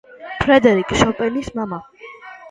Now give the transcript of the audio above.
ფრედერიკ შოპენის მამა.